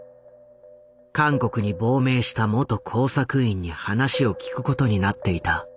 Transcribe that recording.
韓国に亡命した元工作員に話を聞くことになっていた。